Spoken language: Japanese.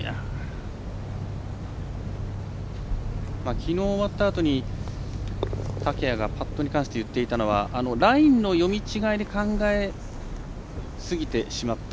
きのう終わったあとに竹谷がパットに関して言っていたのはラインの読み違いで考えすぎてしまった。